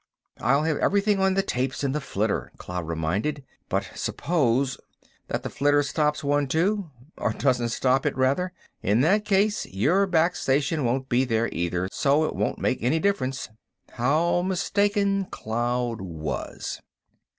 "I'll have everything on the tapes in the flitter," Cloud reminded. "But suppose...." "That the flitter stops one, too—or doesn't stop it, rather? In that case, your back station won't be there, either, so it won't make any difference." How mistaken Cloud was!